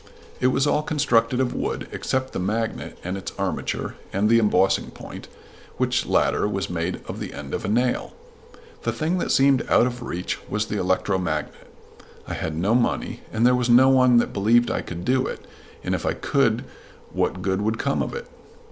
It was all constructed of wood except the magnet and its armature and the embossing point, which latter was made of the end of a nail. The thing that seemed out of reach was the electromagnet. I had no money; and there was no one that believed I could do it, and if I could "what good would come of it?"